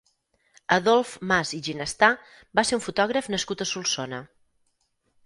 Adolf Mas i Ginestà va ser un fotògraf nascut a Solsona.